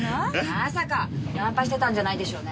まさかナンパしてたんじゃないでしょうね？